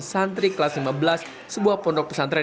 santri kelas lima belas sebuah pondok pesantren